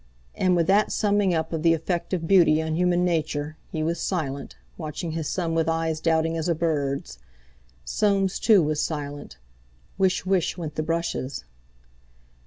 And with that summing up of the effect of beauty on human nature, he was silent, watching his son with eyes doubting as a bird's. Soames, too, was silent. Whish whish went the brushes.